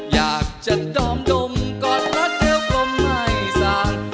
อยากจะดอมดมกอดละเทียวกลมไม้สา